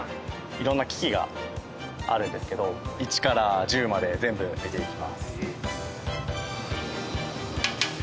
色んな機器があるんですけど１から１０まで全部見ていきます。